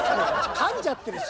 かんじゃってるし。